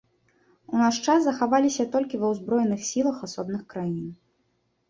У наш час захаваліся толькі ва узброеных сілах асобных краін.